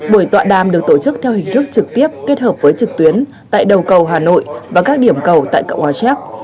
buổi tọa đàm được tổ chức theo hình thức trực tiếp kết hợp với trực tuyến tại đầu cầu hà nội và các điểm cầu tại cộng hòa xét